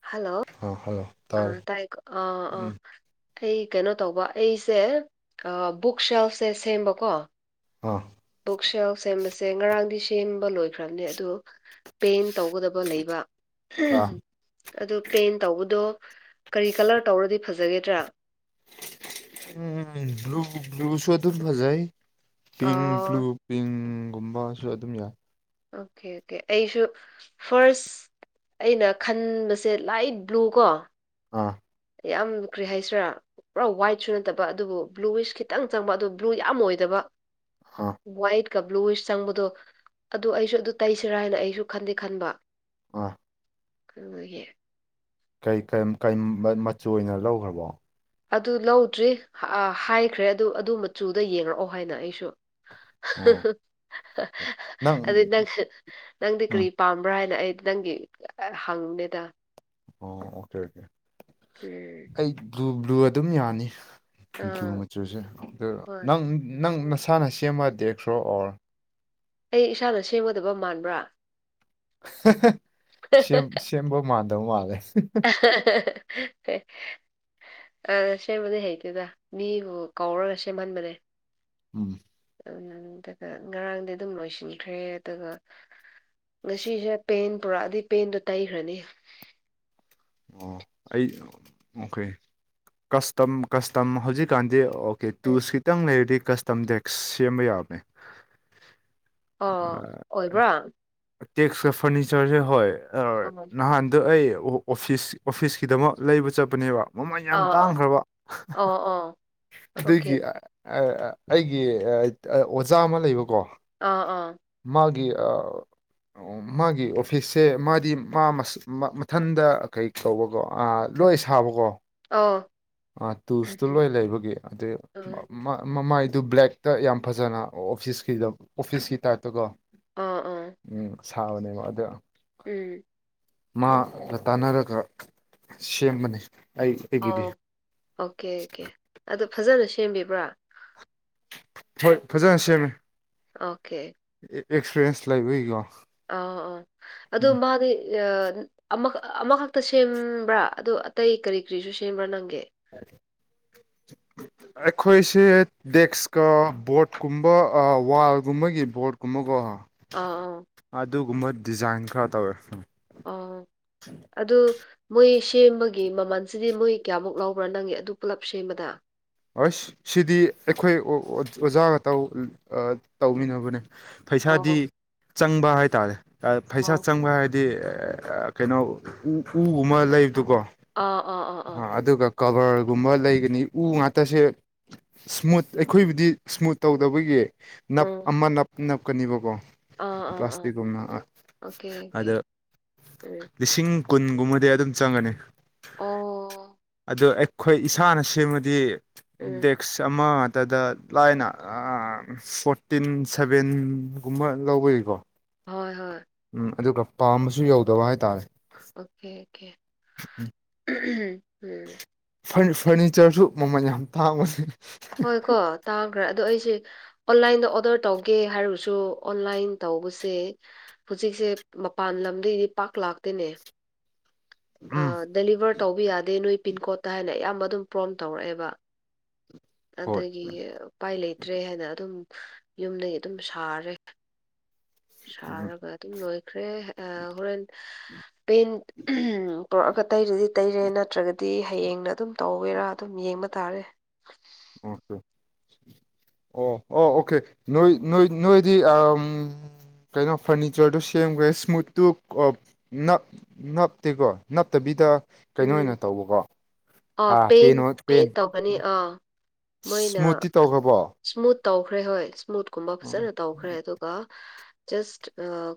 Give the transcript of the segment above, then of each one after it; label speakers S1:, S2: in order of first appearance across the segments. S1: Hello
S2: ꯑꯥ hello
S1: ꯑ
S2: ꯇꯥꯔꯦ
S1: ꯇꯥꯏꯌꯦ ꯀ ꯑ ꯑ
S2: ꯎꯝ
S1: ꯑꯩ ꯀꯩꯅꯣ ꯇꯧꯕ ꯑꯩꯁꯦ ꯕꯨꯛ ꯁꯦꯜꯁꯦ ꯁꯦꯝꯕꯀꯣ
S2: ꯑꯥ
S1: ꯕꯨꯛ ꯁꯦꯜ ꯁꯦꯝꯕꯁꯦ ꯉꯔꯥꯡꯗꯤ ꯁꯦꯝꯕ ꯂꯣꯏꯈ꯭ꯔꯕꯅꯦ ꯑꯗꯣ ꯄꯦꯟ ꯇꯧꯒꯗꯕ ꯂꯩꯕ ꯑꯗꯨ ꯄꯦꯟ ꯇꯧꯕꯗꯣ ꯀꯔꯤ ꯀꯂꯔ ꯇꯧꯔꯗꯤ ꯐꯖꯒꯦꯗ꯭ꯔꯥ
S2: ꯎꯝ ꯕ꯭ꯂꯨ ꯕ꯭ꯂꯨ ꯁꯨ ꯑꯗꯨꯝ ꯐꯖꯥꯏ ꯄꯤꯡ ꯕ꯭ꯂꯨ
S1: ꯑꯥ
S2: ꯄꯤꯡꯒꯨꯝꯕꯁꯨ ꯑꯗꯨꯝ ꯌꯥꯏ
S1: ꯑꯣꯀꯦ ꯑꯣꯀꯦ ꯑꯩꯁꯨ ꯐꯥꯔꯁ ꯑꯩꯅ ꯈꯟꯕꯁꯦ ꯂꯥꯏꯠ ꯕ꯭ꯂꯨ ꯀꯣ
S2: ꯑꯥ
S1: ꯌꯥꯝ ꯀ꯭ꯔꯤ ꯍꯥꯏꯁꯤꯔꯥ ꯄꯨꯔꯥ ꯋꯥꯏꯠꯁꯨ ꯅꯠꯇꯕ ꯑꯗꯨꯕꯨ ꯕ꯭ꯂꯨ ꯋꯤꯁ ꯈꯤꯇꯪ ꯆꯪꯕ ꯑꯗꯨ ꯕ꯭ꯂꯨ ꯌꯥꯝ ꯑꯣꯏꯗꯕ
S2: ꯑꯥ
S1: ꯋꯥꯏꯠ ꯀ ꯕ꯭ꯂꯨꯋꯁ ꯆꯪꯕꯗꯣ ꯑꯗꯨ ꯑꯩꯁꯨ ꯑꯗꯨ ꯇꯩꯁꯤꯔꯥ ꯍꯥꯏꯅ ꯑꯩꯁꯨ ꯈꯟꯗꯦ ꯈꯟꯕ
S2: ꯑ
S1: ꯀꯩ ꯑꯣꯏꯒꯦ
S2: ꯃꯆꯨ ꯑꯣꯏꯅ ꯂꯧꯈ꯭ꯔꯕꯣ
S1: ꯑꯗꯨ ꯂꯧꯗ꯭ꯔꯤ ꯍꯥꯏꯈ꯭ꯔꯦ ꯑꯗꯨ ꯑꯗꯨ ꯃꯆꯨꯗ ꯌꯦꯡꯂꯛ ꯑꯣ ꯍꯥꯏꯅ ꯑꯩꯁꯨ
S2: ꯑꯣ
S1: ꯑꯗꯨꯗꯤ ꯅꯪ ꯅꯪꯗꯤ
S2: ꯎꯝ
S1: ꯀꯔꯤ ꯄꯥꯝꯕ꯭ꯔꯥ ꯍꯥꯏꯅ ꯑꯩ ꯅꯪꯒꯤ ꯍꯪꯅꯦꯗ
S2: ꯑꯣ ꯑꯣꯀꯦ ꯑꯣꯀꯦ
S1: ꯎꯝ
S2: ꯑꯩ ꯕ꯭ꯂꯨ ꯕ꯭ꯂꯨ ꯑꯗꯨꯝ ꯌꯥꯅꯤ ꯃꯆꯨ
S1: ꯑꯥ
S2: ꯃꯆꯨꯁꯦ ꯑꯗꯨ
S1: ꯍꯣꯏ
S2: ꯅꯪ ꯅꯪ ꯅꯁꯥꯅ ꯁꯦꯝꯃ ꯇꯦꯛꯁꯔꯣ ꯑꯣꯔ
S1: ꯑꯩ ꯏꯁꯥꯅ ꯁꯦꯝꯒꯗꯕ ꯃꯥꯟꯕ꯭ꯔꯥ
S2: ꯁꯦꯝ ꯁꯦꯝꯕ ꯃꯥꯟꯗꯧ ꯃꯥꯜꯂꯦ
S1: [unintelligible] ꯑ ꯁꯦꯝꯕꯗꯤ ꯍꯩꯇꯦꯗ ꯃꯤꯕꯨ ꯀꯧꯔꯒ ꯁꯦꯝꯍꯟꯕꯅꯦ
S2: ꯎꯝ
S1: [unintelligible] ꯉꯔꯥꯡꯗꯤ ꯗꯨꯝ ꯂꯣꯏꯁꯤꯟꯈ꯭ꯔꯦ ꯑꯗꯨꯒ ꯉꯁꯤꯁꯦ ꯄꯦꯟ ꯄꯨꯔꯛꯑꯗꯤ ꯄꯦꯟꯗꯣ ꯇꯩꯈ꯭ꯔꯅꯤ
S2: ꯑꯣ ꯑꯩ ꯑꯣꯀꯦ ꯀꯁꯇꯝ ꯀꯁꯇꯝ ꯍꯧꯖꯤꯛꯀꯥꯟꯗꯤꯑꯣ ꯀꯦꯇꯨꯁ ꯈꯤꯇꯪ ꯂꯩꯔꯗꯤ ꯀꯁꯇꯝ ꯗꯦꯛꯁ ꯁꯦꯝꯕ ꯌꯥꯕꯅꯦ
S1: ꯑꯥ ꯑꯣꯏꯕ꯭ꯔꯥ
S2: ꯇꯦꯛꯁꯀ ꯐꯔꯅꯤꯆꯔꯁꯦ ꯍꯣꯏ ꯑꯣꯏ
S1: ꯑ ꯑꯥ
S2: ꯅꯍꯥꯟꯗ ꯑꯩ ꯑꯣ ꯑꯣꯐꯤꯁ ꯑꯣꯐꯤꯁꯀꯤꯗꯃꯛ ꯂꯩꯕ ꯆꯠꯄꯅꯦꯕꯥ ꯃꯃꯜ ꯌꯥꯝ
S1: ꯑꯥ
S2: ꯇꯥꯡꯈ꯭ꯔꯕ
S1: ꯑꯣ ꯑꯣ
S2: ꯑꯗꯨꯒꯤ
S1: ꯑꯣꯀꯦ
S2: ꯑ ꯑ ꯑꯩꯒꯤ ꯑꯣꯖꯥ ꯑꯃ ꯂꯩꯕꯀꯣ
S1: ꯑ ꯑꯥ
S2: ꯃꯥꯒꯤ ꯑꯥ ꯑꯣ ꯃꯥꯒꯤ ꯑꯣꯐꯤꯁꯁꯦ ꯃꯥꯗꯤ ꯃꯥ ꯃꯊꯟꯗ ꯀꯩ ꯀꯧꯕꯀꯣ ꯑ ꯂꯣꯏ
S1: ꯎꯝ
S2: ꯁꯥꯕꯀꯣ
S1: ꯑꯣ
S2: ꯑ ꯇꯨꯁꯇꯣ ꯂꯣꯏ ꯂꯩꯕꯒꯤ ꯑꯗꯨꯏ
S1: ꯑꯣ
S2: ꯃ ꯃꯃꯥꯏꯗꯨ ꯕ꯭ꯂꯦꯛꯇ ꯌꯥꯝ ꯐꯖꯅ ꯑꯣꯐꯤꯁꯀꯤꯗ ꯑꯣꯐꯤꯁꯀꯤ ꯇꯥꯏꯞꯇꯀꯣ
S1: ꯑꯥ ꯑꯥ
S2: ꯎꯝ ꯁꯥꯕꯅꯦꯕ ꯃꯥꯗꯨ ꯌꯥꯝ
S1: ꯎꯝ
S2: ꯃꯥꯒ ꯇꯥꯅꯔꯒ ꯁꯦꯝꯕꯅꯤ ꯑꯩ ꯑꯩꯒꯤꯗꯤ
S1: ꯑꯣ ꯑꯣꯀꯦ ꯑꯣꯀꯦ ꯑꯗꯨ ꯐꯖꯅ ꯁꯦꯝꯕꯤꯕ꯭ꯔꯥ
S2: ꯍꯣꯏ ꯐꯖꯅ ꯁꯦꯝꯃꯦ
S1: ꯑꯣꯀꯦ
S2: ꯑꯦꯛ ꯑꯦꯛꯁꯄꯔꯤꯌꯦꯟꯁ ꯂꯩꯕꯒꯤꯀꯣ
S1: ꯑ ꯑꯣ ꯑꯗꯣ
S2: ꯎꯝ
S1: ꯃꯥꯗꯤ ꯑ ꯑꯃꯈꯛ ꯑꯃꯈꯛꯇ ꯁꯦꯝꯕ꯭ꯔꯥ ꯑꯗ ꯑꯇꯩ ꯀꯔꯤ ꯀꯔꯤꯁꯨ ꯁꯦꯝꯕ꯭ꯔꯥ ꯅꯪꯒꯦ
S2: ꯑꯩꯈꯣꯏꯁꯦ ꯗꯦꯛꯁꯀ ꯕꯣꯔꯠ ꯀꯨꯝꯕ ꯑ ꯋꯥꯜꯒꯨꯝꯕꯒꯤ ꯕꯣꯔꯗ ꯀꯨꯝꯕꯀꯣ
S1: ꯑ ꯑ
S2: ꯑꯗꯨꯒꯨꯝꯕ ꯗꯤꯖꯥꯏꯟ ꯈꯔ ꯇꯧꯋꯦ
S1: ꯑꯣ ꯑꯗꯨ ꯃꯣꯏ ꯁꯦꯝꯕꯒꯤ ꯃꯃꯜꯁꯤꯗꯤ ꯃꯣꯏ ꯀꯌꯥꯃꯨꯛ ꯂꯧꯕ꯭ꯔꯥ ꯅꯪꯒꯤ ꯑꯗꯨ ꯄꯨꯂꯞ ꯁꯦꯝꯕꯗ
S2: ꯑꯁ ꯁꯤꯗꯤ ꯑꯩꯈꯣꯏ ꯑꯣ ꯑꯣ ꯑꯣꯖꯥꯒ ꯇꯧ ꯑ ꯇꯧꯃꯤꯟꯅꯕꯅꯦ ꯄꯩꯁꯥꯗꯤ
S1: ꯑꯣ
S2: ꯆꯪꯕ ꯍꯥꯏꯇꯥꯔꯦ ꯐꯩꯁꯥ
S1: ꯑꯣ
S2: ꯆꯪꯕ ꯍꯥꯏ ꯗꯤ ꯀꯩꯅꯣ ꯎ ꯎꯒꯨꯝꯕ ꯂꯩꯕꯗꯨꯀꯣ
S1: ꯑꯥ ꯑꯥ ꯑꯥ
S2: ꯑ
S1: ꯑꯥ
S2: ꯑꯗꯨꯒ ꯀꯕꯔꯒꯨꯝꯕ ꯂꯩꯒꯅꯤ ꯎ ꯉꯥꯛꯇꯁꯦ ꯏꯁꯃꯨꯠ ꯑꯩꯈꯣꯏꯕꯨꯗꯤ ꯏꯁꯃꯨꯠ ꯇꯧꯗꯕꯒꯤ ꯅꯞ
S1: ꯎꯝ
S2: ꯑꯃ ꯅꯞ ꯅꯞꯀꯅꯤꯕꯀꯣ
S1: ꯑꯥ ꯑꯥ ꯑꯥ
S2: ꯄ꯭ꯂꯥꯁꯇꯤꯛꯒꯨꯝꯅ ꯑ
S1: ꯑꯣꯀꯦ ꯑꯣꯀꯦ
S2: ꯑꯗꯨ
S1: ꯎꯝ
S2: ꯂꯤꯁꯤꯡ ꯀꯨꯟꯒꯨꯝꯕꯗꯤ ꯑꯗꯨꯝ ꯆꯪꯒꯅꯤ
S1: ꯑꯣ
S2: ꯑꯗꯣ ꯑꯩꯈꯣꯏ ꯏꯁꯥꯅ ꯁꯦꯝꯃꯗꯤ
S1: ꯎꯝ
S2: ꯗꯦꯛꯁ ꯑꯃ ꯇꯗ ꯂꯥꯏꯅ ꯐꯣꯔꯇꯤꯟ ꯁꯚꯦꯟꯒꯨꯝꯕ ꯂꯧꯕꯏꯀꯣ
S1: ꯍꯣꯏ ꯍꯣꯏ
S2: ꯎꯝ ꯑꯗꯨꯒ ꯄꯥꯝꯕꯁꯨ ꯌꯧꯗꯕ ꯍꯥꯏꯇꯥꯔꯦ
S1: ꯑꯣꯀꯦ ꯑꯣꯀꯦ ꯎꯝ
S2: ꯐꯔ ꯐꯔꯅꯤꯆꯔꯁꯨ ꯃꯃꯜ ꯌꯥꯝ ꯇꯥꯡꯕꯅꯤ
S1: ꯍꯣꯏ ꯀꯣ ꯇꯥꯈ꯭ꯔ ꯑꯗꯣ ꯑꯩꯁꯦ ꯑꯣꯟꯂꯥꯏꯟꯗ ꯑꯣꯗꯔ ꯇꯧꯒꯦ ꯍꯥꯏꯔꯁꯨ ꯑꯣꯟꯂꯥꯏꯟ ꯇꯧꯕꯁꯦ ꯍꯧꯖꯤꯛꯁꯦ ꯃꯄꯥꯟ ꯂꯝꯗꯒꯤꯗꯤ ꯄꯥꯛ ꯂꯥꯛꯇꯦꯅꯦ
S2: ꯎꯝ
S1: ꯗꯦꯂꯤꯚꯔ ꯇꯧꯕ ꯌꯥꯗꯦ ꯅꯣꯏ ꯄꯤꯟꯀꯣꯗꯠꯇ ꯍꯥꯏꯅ ꯑꯌꯥꯝꯕ ꯑꯗꯨꯝ ꯄ꯭ꯔꯣꯝ ꯇꯧꯔꯛꯑꯦꯕ
S2: ꯍꯣꯏ
S1: ꯑꯗꯒꯤ ꯎꯄꯥꯏ ꯂꯩꯇ꯭ꯔꯦ ꯍꯥꯏꯅ ꯑꯗꯨꯝ ꯌꯨꯝꯗꯒꯤ ꯑꯗꯨꯝ ꯁꯥꯔꯦ
S2: ꯎꯝ
S1: ꯁꯔꯒ ꯑꯗꯨꯝ ꯂꯣꯏꯈ꯭ꯔꯦ ꯑ ꯍꯣꯔꯦꯟ ꯄꯦꯟ ꯄꯔꯛꯑꯒ ꯇꯩꯔꯗꯤ ꯇꯩꯔꯦ ꯅꯠꯇ꯭ꯔꯒꯗꯤ ꯗꯤ ꯍꯌꯦꯡꯅ ꯑꯗꯨꯝ ꯇꯧꯋꯦꯔꯥ ꯑꯗꯨꯝ ꯌꯦꯡꯕ ꯇꯥꯔꯦ
S2: ꯑꯣꯀꯦ ꯑꯣ ꯑꯣ ꯑꯣꯀꯦ ꯅꯣꯏ ꯅꯣꯏ ꯅꯣꯏꯗꯤ ꯀꯩꯅꯣ ꯐꯔꯅꯤꯆꯔꯗꯣ ꯁꯦꯝꯈ꯭ꯔꯦ ꯏꯁꯃꯨꯠꯇꯨ ꯅꯞ ꯅꯞꯇꯦꯀꯣ ꯅꯞꯇꯕꯤꯗ ꯀꯩꯅꯣ ꯑꯣꯏꯅ ꯇꯧꯕꯀꯣ
S1: ꯑꯣ ꯄꯦꯟ ꯄꯦꯟ ꯇꯧ ꯅꯤ ꯑꯥ ꯃꯣꯏꯅ
S2: ꯁ꯭ꯃꯨꯠꯇꯤ ꯇꯧꯈ꯭ꯔꯕꯣ
S1: ꯁ꯭ꯃꯨꯠ ꯇꯧꯈ꯭ꯔꯦ ꯍꯣꯏ ꯁꯃꯨꯠ [unintelligible] ꯐꯖꯅ ꯇꯧꯈ꯭ꯔꯦ ꯑꯗꯨꯒ ꯖꯁ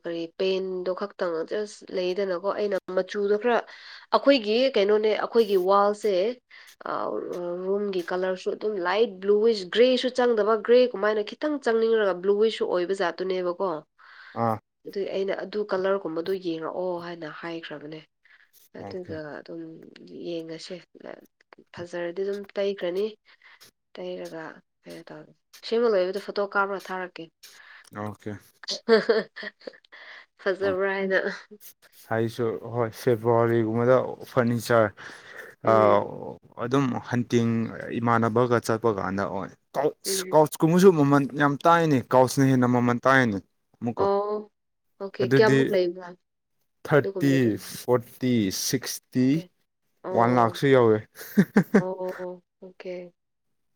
S1: ꯀꯔꯤ ꯄꯦꯟꯗꯣ ꯈꯛꯇꯪ ꯖꯁ ꯂꯩꯗꯅꯀꯣ ꯑꯩꯅ ꯃꯆꯨꯗꯣ ꯈꯔ ꯑꯩꯈꯣꯏꯒꯤ ꯀꯩꯅꯣꯅꯦ ꯑꯩꯈꯣꯏꯒꯤ ꯋꯥꯜꯁꯦ ꯑ ꯔꯨꯝꯒꯤ ꯀꯂꯔꯁꯨ ꯑꯗꯨꯝ ꯂꯥꯏꯠ ꯕ꯭ꯂꯨꯋꯤꯁ ꯒ꯭ꯔꯦꯁꯨ ꯆꯪꯗꯕ ꯒ꯭ꯔꯦ ꯀꯃꯥꯏꯅꯈꯤ ꯈꯤꯇꯪ ꯆꯪꯅꯤꯡꯔꯒ ꯕ꯭ꯂꯨꯋꯤꯁꯨ ꯑꯣꯏꯕ ꯖꯥꯠꯇꯨꯅꯦꯕꯀꯣ
S2: ꯑꯥ
S1: ꯑꯗꯨꯏ ꯑꯩꯅ ꯑꯗꯨ ꯀꯂꯔꯒꯨꯝꯕꯗ ꯌꯦꯡꯔꯛꯑꯣ ꯍꯥꯏꯅ ꯍꯥꯏꯈ꯭ꯔꯕꯅꯦ
S2: ꯑꯣꯀꯦ
S1: ꯑꯗꯨꯒ ꯑꯗꯨꯝ ꯌꯦꯡꯉꯁꯦ ꯐꯖꯔꯗꯤ ꯑꯗꯨꯝ ꯇꯩꯈ꯭ꯔꯅꯤ ꯇꯩꯔꯒ ꯁꯦꯝꯃ ꯂꯣꯏꯕꯗ ꯐꯣꯇꯣ ꯀꯥꯞꯄ꯭ꯔꯥ ꯊꯥꯔꯛꯀꯦ
S2: ꯑꯣꯀꯦ
S1: ꯐꯖꯕ꯭ꯔꯥ ꯍꯥꯏꯅ
S2: ꯍꯥꯏꯁꯨ ꯍꯣꯏ ꯐꯦꯕꯨꯋꯥꯔꯤꯒꯨꯝꯕꯗ ꯐꯔꯅꯤꯆꯔ
S1: ꯎꯝ
S2: ꯑꯗꯨꯝ ꯍꯟꯇꯤꯡ ꯏꯃꯥꯟꯅꯕꯒ ꯆꯠꯄ ꯀꯥꯟꯗ
S1: ꯎꯝ
S2: ꯑꯣꯏ ꯀꯨꯃꯨꯁꯨ ꯃꯃꯟ ꯌꯥꯝ ꯇꯥꯉꯦꯅꯤ ꯀꯥꯎꯁꯅ ꯍꯦꯟꯅ ꯃꯃꯜ ꯇꯥꯏꯅꯤ ꯑꯃꯨꯛꯀ
S1: ꯑꯣ ꯑꯣꯀꯦ
S2: ꯑꯗꯨꯗꯤ
S1: ꯀꯌꯥꯃꯨꯛ ꯂꯩꯕ꯭ꯔꯥ
S2: ꯊꯥꯔꯇꯤ
S1: ꯑꯗꯨꯒꯨꯝꯕꯗꯣ
S2: ꯐꯣꯔꯇꯤ ꯁꯤꯛꯁ ꯇꯤ
S1: ꯑꯣꯀꯦ.
S2: ꯋꯥꯟ
S1: ꯑꯣ
S2: ꯂꯥꯛꯁꯨ ꯌꯧꯋꯦ
S1: ꯑꯣ ꯑꯣ ꯑꯣꯀꯦ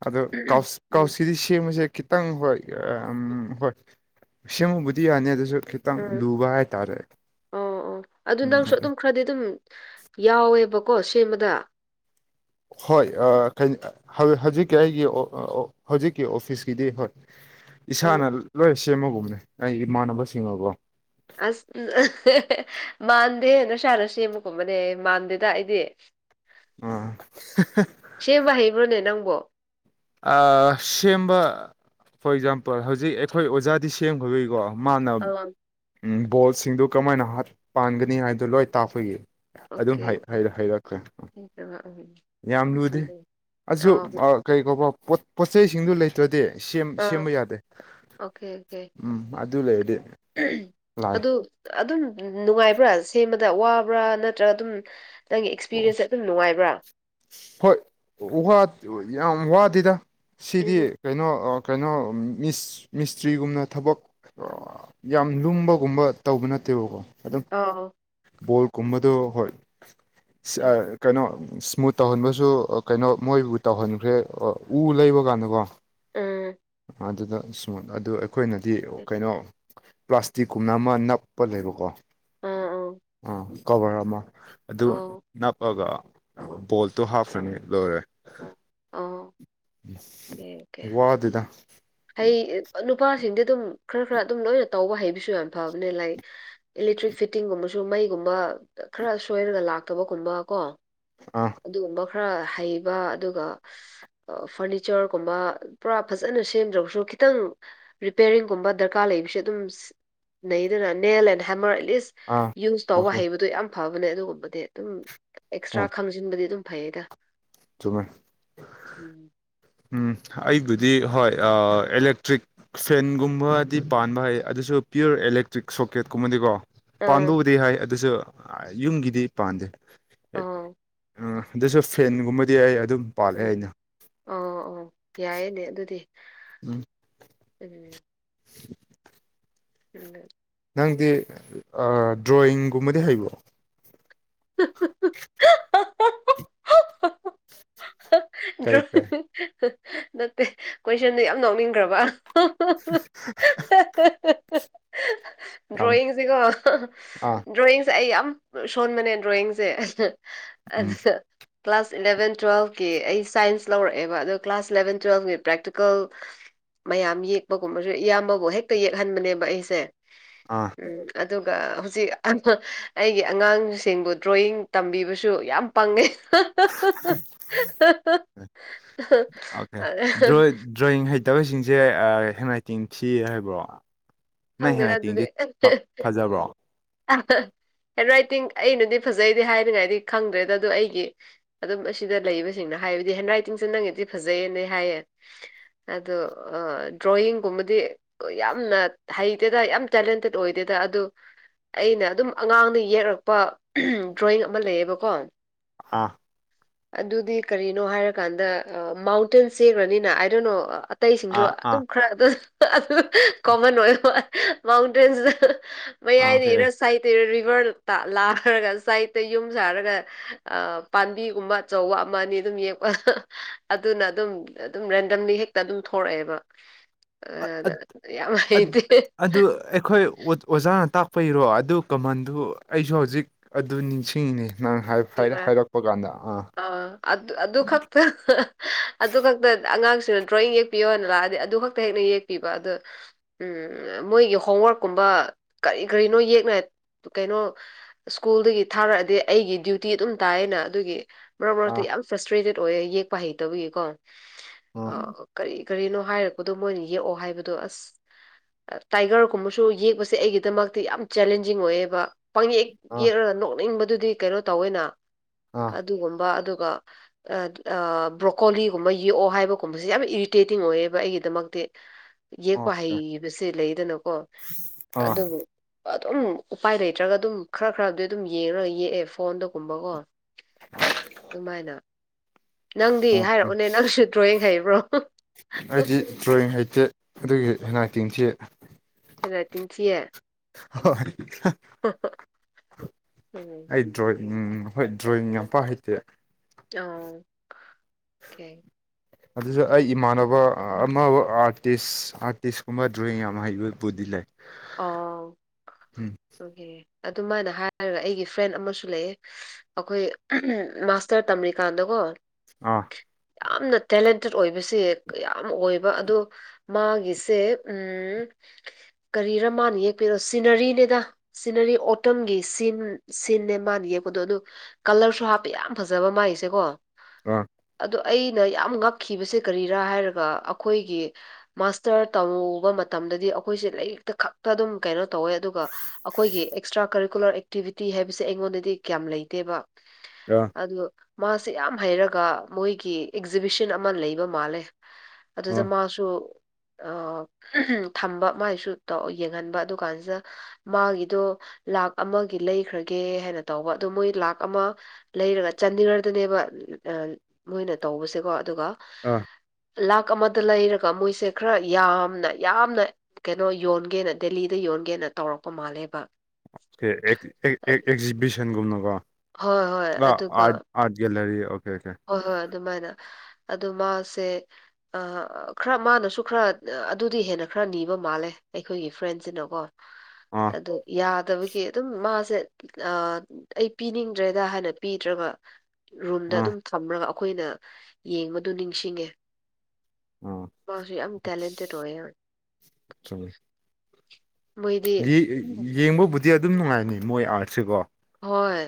S2: ꯑꯗꯨ ꯀꯧꯁ
S1: ꯎꯝ
S2: ꯀꯧꯁꯀꯤꯗꯤ ꯁꯤꯃꯁꯦ ꯈꯤ ꯈꯤꯇꯪ ꯍꯣꯏ ꯎꯝ ꯍꯣꯏ ꯁꯦꯝꯃꯨꯕꯨꯗꯤ ꯌꯥꯅꯤ ꯑꯗꯨꯁꯨ ꯈꯤ
S1: ꯎꯝ ꯑꯣ ꯑꯣ ꯑꯗꯨ
S2: ꯎꯝ
S1: ꯅꯪꯁꯨ ꯑꯗꯨꯝ ꯈꯔꯗꯤ ꯑꯗꯨꯝ ꯌꯥꯎꯋꯦꯕꯀꯣ ꯁꯦꯝꯕꯗ
S2: ꯍꯣꯏ ꯑ ꯀꯩ ꯍꯧ ꯍꯧꯖꯤꯛꯀꯤ ꯑꯩꯒꯤ ꯍꯧꯖꯤꯛꯀꯤ ꯑꯣꯐꯤꯁꯀꯤꯗꯤ ꯍꯣꯏ
S1: ꯑ
S2: ꯏꯁꯥꯅ ꯂꯣꯏ ꯁꯦꯝꯃꯒꯨꯝꯕꯅꯦ ꯑꯩ ꯏꯃꯥꯟꯅꯕꯁꯤꯡꯒꯒꯣ
S1: ꯑꯁ ꯃꯥꯟꯗꯦ ꯅꯁꯥꯥꯅ ꯁꯦꯝꯕ ꯀꯨꯝꯕꯅꯦꯌꯦ ꯃꯥꯟꯗꯦꯗ ꯑꯩꯗꯤ
S2: ꯑ
S1: ꯁꯦꯝꯕꯥ ꯍꯩꯕ꯭ꯔꯣꯅꯦ ꯅꯪꯕꯣ
S2: ꯑꯥ ꯁꯦꯝꯕ ꯐꯣꯔ ꯑꯦꯛꯖꯥꯝꯄꯜ ꯍꯧꯖꯤꯛ ꯑꯩꯈꯣꯏ ꯑꯣꯖꯥꯗꯤ ꯁꯦꯝꯈ꯭ꯔꯒꯤꯀꯣ ꯃꯥꯅ
S1: ꯑ
S2: ꯕꯣꯜꯁꯤꯡꯗꯨ ꯀꯃꯥꯏꯅ ꯄꯥꯟꯒꯅꯤ ꯍꯥꯏꯕꯗꯨ ꯂꯣꯏ ꯇꯥꯛꯄꯒꯤ ꯑꯗꯨꯝ ꯍꯩ ꯍꯩꯔꯛꯈ꯭ꯔꯦ
S1: [unintelligible] ꯎꯝ
S2: ꯌꯥꯝ ꯂꯨꯗꯦ ꯑꯁꯨ ꯀꯩ ꯀꯧꯕꯔꯣ ꯄꯣꯠ ꯆꯩꯁꯤꯡꯗꯨ ꯂꯩ ꯂꯩꯇꯔꯗꯤ ꯁꯦꯝ ꯁꯦꯝꯕ ꯌꯥꯗꯦ
S1: ꯑꯣꯀꯦ
S2: ꯎꯝ ꯑꯗꯨ ꯂꯩꯔꯗꯤ ꯂꯥꯏ
S1: ꯑꯗꯨ ꯑꯗꯨꯝ ꯅꯨꯡꯉꯥꯏꯕ꯭ꯔꯥ ꯁꯦꯝꯕꯗ ꯋꯥꯕ꯭ꯔꯥ ꯅꯠꯇ꯭ꯔꯒ ꯑꯗꯨꯝ ꯅꯪꯒꯤ ꯑꯦꯛꯁꯄꯤꯔꯦꯟꯁ ꯇꯥ ꯑꯗꯨꯝ ꯅꯨꯡꯉꯥꯏꯕ꯭ꯔꯥ
S2: ꯍꯣꯏ ꯋꯥ ꯌꯥꯝ ꯋꯥꯗꯦꯗ ꯁꯤꯗꯤ ꯀꯩꯅꯣ ꯀꯩꯅꯣ ꯃꯤꯁ ꯃꯤꯁꯇ꯭ꯔꯤꯒꯨꯝꯅ ꯊꯕꯛ ꯌꯥꯝ ꯂꯨꯝꯕꯒꯨꯝꯕ ꯇꯧꯕ ꯅꯠꯇꯦꯕꯀꯣ ꯑꯗꯨꯝ
S1: ꯑꯣ
S2: ꯚꯣꯜ ꯀꯨꯝꯕꯗꯣ ꯍꯣꯏ
S1: ꯎꯝ
S2: ꯀꯩꯅꯣ ꯁ꯭ꯃꯨꯠ ꯇꯧꯍꯟꯕꯁꯨ ꯀꯩꯅꯣ ꯃꯣꯏꯕꯨ ꯇꯧꯍꯟꯈ꯭ꯔꯦ ꯎ ꯂꯩꯕ ꯀꯥꯟꯗꯀꯣ
S1: ꯎꯝ
S2: ꯑꯗꯨꯗ ꯁꯃꯨꯠ ꯑꯗꯨ ꯑꯩꯈꯣꯏꯅꯗꯤ ꯀꯩꯅꯣ ꯄ꯭ꯂꯥꯁꯇꯤꯛꯀꯨꯝꯅ ꯑꯃ ꯅꯞꯄ ꯂꯩꯕꯀꯣ
S1: ꯑꯥ ꯑꯣ
S2: ꯑꯥ ꯀꯣꯕꯔ ꯑꯃ ꯑꯗꯨ
S1: ꯑꯣ
S2: ꯅꯞꯑꯒ ꯚꯣꯜꯇꯣ ꯍꯥꯞꯔꯥꯅꯤ ꯂꯣꯏꯔꯦ
S1: ꯑꯣ
S2: [unintelligible]
S1: ꯀꯩ ꯎꯒꯦ
S2: ꯋꯥꯗꯦꯗ
S1: ꯍꯩ ꯅꯨꯄꯥꯁꯤꯡꯗꯤ ꯑꯗꯨꯝ ꯈꯔ ꯈꯔ ꯑꯗꯨꯝ ꯂꯣꯏꯅ ꯇꯧꯕ ꯍꯩꯕꯁꯨ ꯌꯥꯝ ꯐꯕꯅꯦ ꯂꯥꯏꯛ ꯏꯂꯦꯛꯇ꯭ꯔꯤꯛ ꯐꯤꯠꯇꯤꯡꯒꯨꯝꯕꯁꯨ ꯃꯩꯒꯨꯝꯕ ꯈꯔ ꯁꯣꯏꯔꯒ ꯂꯥꯛꯇꯕꯒꯨꯝꯕ ꯀꯣ
S2: ꯑꯥ
S1: ꯑꯗꯨꯒꯨꯝꯕ ꯈꯔ ꯍꯩꯕ ꯑꯗꯨꯒ ꯐꯔꯅꯤꯆꯔꯒꯨꯝꯕ ꯄꯨꯔꯥ ꯐꯖꯅ ꯁꯦꯝꯗ꯭ꯔꯕꯁꯨ ꯈꯤꯇꯪ ꯔꯤꯄꯦꯌꯔꯤꯡꯒꯨꯝꯕ ꯗꯔꯀꯥꯔ ꯂꯩꯕꯁꯤ ꯑꯗꯨꯝ ꯂꯩꯗꯅ nail and hammer at least
S2: ah
S1: use ꯇꯧꯕ
S2: ꯑꯣꯀꯦ
S1: ꯍꯩꯕꯗꯣ ꯌꯥꯝ ꯐꯕꯅꯦ ꯑꯗꯨꯒꯨꯝꯕꯗꯤ ꯑꯗꯨꯝ
S2: ꯑꯥ
S1: ꯑꯦꯛꯁꯇ꯭ꯔꯥ ꯇꯧꯁꯤꯟꯕꯗꯤ ꯑꯗꯨꯝ ꯐꯩꯌꯦꯗ
S2: ꯆꯨꯝꯃꯦ
S1: ꯎꯝ
S2: ꯎꯝ ꯑꯩꯕꯨꯗꯤ ꯍꯣꯏ ꯑꯦꯂꯦꯛꯇ꯭ꯔꯤꯛ ꯐꯦꯟꯒꯨꯝꯕꯗꯤ ꯄꯥꯟꯕ ꯍꯩ ꯑꯗꯨꯁꯨ ꯄꯤꯌꯣꯔ ꯑꯦꯂꯦꯛꯇ꯭ꯔꯤꯛ ꯁꯣꯀꯦꯠꯀꯨꯝꯕꯗꯤꯀꯣ
S1: ꯑꯥ
S2: ꯄꯥꯟꯕꯕꯨꯗꯤ ꯍꯥꯏ ꯑꯗꯨꯁꯨ ꯑꯩ ꯌꯨꯝꯒꯤꯗꯤ ꯄꯥꯟꯗꯦ ꯑ
S1: ꯑꯥ
S2: ꯑꯗꯨꯁꯨ ꯐꯦꯟꯒꯨꯝꯕꯗꯤ ꯑꯩ ꯑꯗꯨꯝ ꯄꯥꯜꯂꯦ
S1: ꯎꯝ
S2: ꯑꯩꯅ
S1: ꯑꯧ ꯑꯧ ꯌꯥꯏꯌꯦꯅꯦ ꯑꯗꯨꯗꯤ
S2: ꯎꯝ
S1: ꯎꯝ ꯎꯝ
S2: ꯅꯪꯗꯤ ꯗ꯭ꯔꯣꯌꯤꯡꯒꯨꯝꯕꯗꯤ ꯍꯩꯕ꯭ꯔꯣ
S1: [unintelligible]
S2: ꯀꯩ ꯀꯩ
S1: ꯅꯠꯇꯦ ꯀꯣꯏꯁꯟꯗꯨ ꯌꯥꯝ ꯅꯥꯎꯅꯤꯡꯈ꯭ꯔꯕ
S2: [unintelligible] ꯌꯥꯝ
S1: ꯗ꯭ꯔꯣꯌꯤꯡꯁꯤꯀꯣ
S2: ꯑꯥ
S1: ꯗ꯭ꯔꯣꯌꯤꯡꯁꯦ ꯑꯩ ꯌꯥꯝ ꯁꯣꯟꯕꯅꯦ ꯗ꯭ꯔꯣꯌꯤꯡꯁꯦ
S2: ꯎꯝ
S1: ꯑꯗꯨꯗ ꯀ꯭ꯂꯥꯁ ꯏꯂꯚꯦꯟ ꯇꯨꯌꯦꯜꯞꯀꯤ ꯑꯩ ꯁꯥꯏꯟꯁ ꯂꯧꯔꯛꯑꯦꯕ ꯑꯗꯨ ꯀ꯭ꯂꯥꯁ ꯏꯂꯚꯦꯟ ꯇꯨꯋꯜꯞꯀꯤ ꯄ꯭ꯔꯦꯛꯇꯤꯀꯦꯜ ꯃꯌꯥꯝ ꯌꯦꯛꯄꯒꯨꯝꯕꯁꯨ ꯏꯌꯥꯝꯕꯕꯨ ꯍꯦꯛꯇ ꯌꯦꯛꯍꯟꯕꯅꯦꯕ ꯑꯩꯁꯦ
S2: ꯑꯥ
S1: ꯎꯝ ꯑꯗꯨꯒ ꯍꯧꯖꯤꯛ ꯑꯩꯒꯤ ꯑꯉꯥꯡꯁꯤꯡꯕꯨ ꯗ꯭ꯔꯣꯌꯤꯡ ꯇꯝꯕꯤꯕꯁꯨ ꯌꯥꯝ ꯄꯪꯉꯦ
S2: ꯗ꯭ꯔꯣ ꯗ꯭ꯔꯣꯌꯤꯡ ꯍꯩꯇꯕꯁꯤꯡꯁꯦ ꯍꯦꯟꯂꯥꯏꯇꯤꯡ ꯊꯤ ꯍꯥꯏꯕ꯭ꯔꯣ ꯅꯪ
S1: ꯈꯪꯗꯦꯗ
S2: ꯍꯦꯟꯔꯥꯏꯇꯤꯡꯗꯤ ꯐꯖꯕ꯭ꯔꯣ
S1: ꯍꯦꯟꯔꯥꯏꯇꯤꯡ ꯑꯩꯅꯗꯤ ꯐꯖꯩꯗꯤ ꯍꯥꯏꯅꯤꯡꯉꯥꯏꯗꯤ ꯈꯪꯗ꯭ꯔꯦꯗ ꯑꯗꯨ ꯑꯩꯒꯤ ꯑꯗꯨꯝ ꯑꯁꯤꯗ ꯂꯩꯕꯁꯤꯡꯅ ꯍꯥꯏꯕꯗꯤ ꯍꯦꯟ ꯔꯥꯏꯇꯤꯡꯁꯨ ꯅꯪꯉꯤꯗꯤ ꯐꯖꯩꯌꯦꯅ ꯍꯥꯏꯌꯦ ꯑꯗꯣ ꯑ ꯗ꯭ꯔꯣꯌꯤꯡ ꯒꯨꯝꯕꯗꯤ ꯌꯥꯝꯅ ꯍꯩꯇꯦꯗ ꯌꯥꯝ ꯇꯦꯂꯦꯟꯇꯦꯠ ꯑꯣꯏꯗꯦꯗ ꯑꯗꯨ ꯑꯩꯅ ꯑꯗꯨꯝ ꯑꯉꯥꯡꯅ ꯌꯦꯛꯂꯛꯄ ꯗ꯭ꯔꯣꯋꯤꯡ ꯑꯃ ꯂꯩꯌꯦꯕꯀꯣ
S2: ꯑꯥ
S1: ꯑꯗꯨꯗꯤ ꯀꯔꯤꯅꯣ ꯍꯥꯏꯔꯀꯥꯟꯗ ꯃꯥꯎꯟꯇꯦꯟ ꯆꯦꯈ꯭ꯔꯅꯤꯅ ꯑꯥꯏ ꯗꯣꯟ ꯅꯣ
S2: ꯑꯥ
S1: ꯑꯇꯩꯁꯤꯡꯁꯨ
S2: ꯑꯥ ꯑꯥ
S1: ꯑꯗꯨꯝ ꯈꯔ ꯑꯗꯨꯝ ꯑꯗꯨ ꯀꯣꯃꯟ ꯑꯣꯏꯕ ꯃꯥꯎꯟꯇꯦꯟꯁꯤꯗ ꯃꯌꯥꯏꯗꯒꯤ
S2: ꯑꯣꯀꯦ
S1: ꯏꯔ ꯁꯥꯏꯗꯠꯇꯔ ꯔꯤꯚꯔ ꯂꯥꯛꯈꯔꯒ ꯁꯥꯏꯠꯇ ꯌꯨꯝ ꯁꯥꯔꯒ ꯑ ꯄꯥꯝꯕꯤꯒꯨꯝꯕ ꯑꯆꯧꯕ ꯑꯃ ꯑꯅꯤ ꯑꯗꯨꯝ ꯌꯦꯛꯄ ꯑꯗꯨꯅ ꯑꯗꯨꯝ ꯑꯗꯨꯝ ꯔꯦꯟꯗꯝꯂꯤ ꯍꯦꯛꯇ ꯑꯗꯨꯝ ꯊꯣꯛꯣꯔꯛꯑꯦꯕ ꯑ ꯌꯥꯝ
S2: ꯑꯠ
S1: ꯍꯩꯇꯦ
S2: ꯑꯗꯨ ꯑꯩꯈꯣꯏ ꯑꯣꯖꯥꯅ ꯇꯥꯛꯄ ꯏꯔꯣ ꯑꯗꯨ ꯀꯃꯟꯗꯨ ꯑꯩꯁꯨ ꯍꯧꯖꯤꯛ ꯑꯗꯨ ꯅꯤꯡꯁꯤꯡꯉꯅꯦ ꯅꯪ ꯍꯥꯏꯕ
S1: ꯑ ꯑꯗꯨ ꯑꯗꯨ ꯈꯛꯇ ꯑꯗꯨ ꯈꯛꯇ ꯑꯉꯥꯡꯁꯤꯅ ꯗ꯭ꯔꯣꯋꯤꯡ ꯌꯦꯛꯄꯤꯌꯣ ꯍꯥꯏꯅ ꯂꯥꯛꯑꯗꯤ ꯑꯗꯨ ꯈꯛꯇ ꯍꯦꯛꯟꯅ ꯌꯦꯛꯄꯤꯕ ꯑꯗꯨ ꯎꯝ ꯃꯣꯏꯒꯤ ꯍꯣꯝꯋꯥꯔꯛꯀꯨꯝꯕ ꯀꯔꯤ ꯀꯔꯤꯅꯣ ꯌꯦꯛꯅ ꯀꯩꯅꯣ ꯁ꯭ꯀꯨꯜꯗꯒꯤ ꯊꯥꯔꯛꯑꯗꯤ ꯑꯩꯒꯤ ꯗ꯭ꯌꯨ ꯇꯤ ꯑꯗꯨꯝ ꯇꯥꯏꯑꯅ ꯑꯗꯨꯒꯤ ꯃꯔꯛ ꯃꯔꯛꯇ
S2: ꯑꯥ
S1: ꯌꯥꯝ ꯐ꯭ꯔꯁꯇ꯭ꯔꯦꯇꯦꯠ ꯑꯣꯏꯌꯦ ꯌꯦꯛꯄ ꯍꯩꯇꯕꯒꯤꯀꯣ ꯑ
S2: ꯑꯥ
S1: ꯀꯔꯤ ꯀꯔꯤꯅꯣ ꯍꯥꯏꯔꯛꯄꯗꯣ ꯃꯣꯏꯅ ꯌꯦꯛꯑꯣ ꯍꯥꯏꯕꯗꯣ ꯑꯁ ꯇꯥꯏꯒꯔꯒꯨꯝꯕꯁꯨ ꯌꯦꯛꯄꯁꯦ ꯑꯩꯒꯤꯗꯃꯛꯇꯤ ꯌꯥꯝ ꯆꯦꯂꯦꯟꯖꯤꯡ ꯑꯣꯏꯑꯦꯕ ꯄꯪꯌꯦꯛꯌꯦꯛ
S2: ꯑꯥ
S1: ꯌꯦꯛꯑꯒ ꯅꯣꯛꯅꯤꯡꯕꯗꯨꯗꯤ ꯀꯩꯅꯣ ꯇꯧꯋꯦꯅ
S2: ꯑꯥ
S1: ꯑꯗꯨꯒꯨꯝꯕ ꯑꯗꯨꯒ ꯕ꯭ꯔꯣꯀꯣꯂꯤꯒꯨꯝꯕ ꯌꯦꯛꯑꯣ ꯍꯥꯏꯕꯒꯨꯝꯕꯁꯦ ꯌꯥꯝꯅ ꯏꯔꯤꯇꯦꯇꯤꯡ ꯑꯣꯏꯌꯦꯕ ꯑꯩꯒꯤꯗꯃꯛꯇꯤ
S2: [inaudible]
S1: ꯌꯦꯛꯄ
S2: ꯑꯣꯀꯦ
S1: ꯍꯩꯕꯁꯦ ꯂꯩꯗꯅꯀꯣ
S2: ꯑꯥ
S1: ꯑꯗꯨꯕꯨ ꯑꯗꯨꯝ ꯎꯄꯥꯏ ꯂꯩꯇ꯭ꯔꯒ ꯑꯗꯨꯝ ꯈꯔ ꯈꯔꯕꯨꯗꯤ ꯑꯗꯨꯝ ꯌꯦꯡꯉꯒ ꯌꯦꯛꯑꯦ ꯐꯣꯟꯗꯒꯨꯝꯕꯀꯣ ꯑꯗꯨꯃꯥꯏꯅ ꯅꯪꯗꯤ
S2: ꯑꯣꯀꯦ
S1: ꯍꯥꯏꯔꯛꯎꯅꯦ ꯅꯪꯁꯨ ꯗ꯭ꯔꯣꯋꯤꯡ ꯍꯩꯕ꯭ꯔꯣ
S2: ꯗ꯭ꯔꯣꯌꯡ ꯍꯩꯇꯦ ꯑꯗꯨꯒꯤ ꯍ‌ꯦꯟꯔꯥꯏꯇꯤꯡ ꯊꯤ
S1: ꯍꯦꯔꯥꯏꯇꯤꯡ ꯊꯤꯌꯦ
S2: ꯍꯣꯏ [unintelligible]
S1: ꯍ ꯍ
S2: ꯑꯩ ꯗ꯭ꯔꯣꯌꯤꯡ ꯍꯣꯏ ꯗ꯭ꯔꯣꯌꯤꯡ ꯌꯥꯝ ꯄꯥꯛ ꯍꯩꯇꯦ
S1: ꯑ
S2: ꯑꯗꯨꯁꯨ ꯑꯩ
S1: ꯑꯗꯨ
S2: ꯏꯃꯥꯟꯅꯕ ꯑꯃꯕꯨ ꯑꯥꯔꯇꯤꯁ ꯑꯥꯔꯇꯤꯁꯀꯨꯝꯕ ꯗ꯭ꯔꯣꯋꯤꯡ ꯌꯥꯝ ꯍꯩꯕꯕꯨꯗꯤ ꯂꯩ
S1: ꯑꯣ
S2: ꯎꯝ
S1: ꯑꯣꯀꯦ ꯑꯗꯨꯃꯥꯏꯅ ꯍꯥꯏꯔꯒ ꯑꯩꯒꯤ ꯐ꯭ꯔꯦꯟ ꯑꯃꯁꯨ ꯂꯩꯑꯦ ꯑꯈꯣꯏ ꯃꯥꯁꯇꯔ ꯇꯝꯔꯤꯀꯥꯟꯗꯀꯣ
S2: ꯑꯥ
S1: ꯌꯥꯝꯅ ꯇꯦꯂꯦꯟꯇꯦꯠ ꯑꯣꯏꯕꯁꯦ ꯀꯌꯥꯝ ꯑꯣꯏꯕ ꯑꯗꯣ ꯃꯥꯒꯤꯁꯦ ꯎꯝ ꯀꯔꯤꯔ ꯃꯥꯅ ꯌꯦꯛꯄꯤꯔꯣ ꯁꯤꯅꯔꯤꯅꯦꯗ ꯁꯤꯅꯔꯤ ꯑꯣꯇꯝꯒꯤ ꯁꯤꯟ ꯁꯤꯟꯅꯦ ꯃꯥꯅ ꯌꯦꯛꯄꯗꯣ ꯑꯗꯨ ꯀꯂꯔꯁꯨ ꯍꯥꯞꯄꯦ ꯌꯥꯝ ꯐꯖꯕ ꯃꯥꯜꯒꯤꯁꯦꯀꯣ
S2: ꯑꯥ
S1: ꯑꯗꯣ ꯑꯩꯅ ꯌꯥꯝ ꯉꯛꯈꯤꯕꯁꯦ ꯀꯔꯤꯔꯥ ꯍꯥꯏꯔꯒ ꯑꯈꯣꯏꯒꯤ ꯃꯥꯁꯇꯔ ꯇꯧꯕ ꯃꯇꯝꯗꯗꯤ ꯑꯩꯈꯣꯏꯁꯦ ꯂꯩꯔꯤꯛ ꯇ ꯈꯛꯇ ꯑꯗꯨꯝ ꯀꯩꯅꯣ ꯇꯧꯋꯦ ꯑꯗꯨꯒ ꯑꯈꯣꯏꯒꯤ ꯑꯦꯛꯁꯇ꯭ꯔꯥ ꯀꯔꯤ ꯀꯨꯂꯔ ꯑꯦꯛꯇꯤꯚꯤꯇꯤ ꯍꯥꯏꯕꯁꯦ ꯑꯩꯉꯣꯟꯗꯗꯤ ꯀꯌꯥꯝ ꯂꯩꯇꯦꯕ
S2: ꯑ
S1: ꯑꯗꯨ ꯃꯥꯁꯦ ꯌꯥꯝ ꯍꯩꯔꯒ ꯃꯣꯏꯒꯤ ꯑꯦꯛꯖꯤꯕꯤꯁꯟ ꯑꯃ ꯂꯩꯕ ꯃꯥꯜꯂꯦ ꯑꯗꯨꯗ
S2: ꯑꯥ
S1: ꯃꯥꯁꯨ ꯑ ꯊꯝꯕ ꯃꯥꯏꯁꯨ ꯇꯣ ꯌꯦꯡꯍꯟꯕ ꯑꯗꯨ ꯀꯥꯟꯁꯤꯗ ꯃꯥꯒꯤꯗꯣ ꯂꯥꯛ ꯑꯃꯒꯤ ꯂꯩꯈ꯭ꯔꯒꯦ ꯍꯥꯏꯅ ꯇꯧꯕ ꯑꯗꯨ ꯃꯣꯏ ꯂꯥꯛꯈ ꯑꯃ ꯂꯩꯔꯒ ꯆꯟꯗꯤꯒꯔꯗꯅꯦꯕ ꯑ ꯃꯣꯏꯅ ꯇꯧꯕꯁꯦꯀꯣ ꯑꯗꯨꯒ
S2: ꯑꯥ
S1: ꯂꯥꯛ ꯑꯃꯗ ꯂꯩꯔꯒ ꯃꯣꯏꯁꯦ ꯈꯔ ꯌꯥꯝꯅ ꯌꯥꯝꯅ ꯀꯩꯅꯣ ꯌꯣꯟꯒꯦꯅ ꯗꯦꯜꯂꯤꯗ ꯌꯣꯟꯒꯦꯅ ꯇꯧꯔꯛꯄ ꯃꯥꯜꯂꯦꯕ
S2: ꯑꯦ ꯑꯦꯛ ꯑꯦꯛ ꯑꯦꯛ ꯑꯦꯛꯖꯤꯕꯤꯁꯟꯒꯨꯝꯅꯀꯣ
S1: ꯍꯣꯏ ꯍꯣꯏ
S2: ꯑ
S1: ꯑꯗꯨꯒ
S2: art art gallery okay okay
S1: ꯍꯣꯏ ꯍꯣꯏ ꯑꯗꯨꯃꯥꯏꯅ ꯑꯗꯨ ꯃꯥꯁꯦ ꯑꯥ ꯈꯔ ꯃꯥꯅꯁꯨ ꯈꯔ ꯑꯗꯨꯗꯤ ꯍꯦꯟꯅ ꯈꯔ ꯅꯤꯕ ꯃꯥꯜꯂꯦ ꯑꯩꯈꯣꯏꯒꯤ ꯐ꯭ꯔꯦꯟꯁ ꯁꯤꯅꯀꯣ
S2: ꯑꯥ
S1: ꯑꯗꯣ ꯌꯥꯗꯕꯒꯤ ꯑꯗꯨꯝ ꯃꯥꯁꯦ ꯑ ꯑꯩ ꯄꯤꯅꯤꯡꯗ꯭ꯔꯦꯗ ꯍꯥꯏꯅ ꯄꯤꯗ꯭ꯔꯒ ꯔꯨꯝꯗ
S2: ꯑꯥ
S1: ꯑꯗꯨꯝ ꯊꯝꯔꯒ ꯑꯈꯣꯏꯅ ꯌꯦꯡꯕꯗꯨ ꯅꯤꯡꯁꯤꯡꯉꯦ
S2: ꯑꯥ
S1: ꯃꯥꯁꯨ ꯌꯥꯝ ꯇꯦꯂꯦꯟꯇꯦꯠ ꯑꯣꯏꯌꯦ
S2: ꯆꯨꯉꯤ
S1: ꯃꯣꯏꯗꯤ
S2: ꯌꯦ
S1: ꯎꯝ ꯎꯝ
S2: ꯌꯦꯡꯕꯕꯨꯗꯤ ꯑꯗꯨꯝ ꯅꯨꯡꯉꯥꯏꯅꯤ ꯃꯣꯏ ꯑꯥꯔꯠꯁꯦꯀꯣ
S1: ꯍꯣꯏ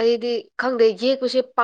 S1: ꯑꯩꯗꯤ ꯈꯪꯗꯦ ꯌꯦꯛꯄꯁꯦ ꯄꯥ